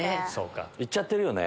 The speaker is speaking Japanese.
いっちゃってるよね。